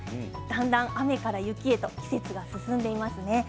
だんだん、雨から雪へと季節が進んでいますね。